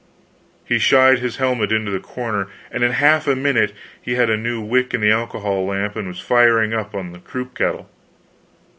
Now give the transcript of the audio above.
He shied his helmet into the corner, and in half a minute he had a new wick in the alcohol lamp and was firing up on the croup kettle.